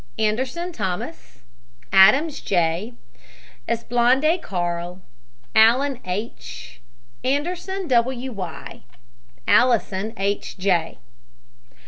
ANDERSON, THOMAS. ADAMS, J. ASPALANDE, CARL. ALLEN, H. ANDERSON, W. Y. ALLISON, H. J.